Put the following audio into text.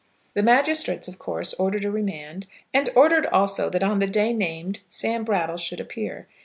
The magistrates of course ordered a remand, and ordered also that on the day named Sam Brattle should appear.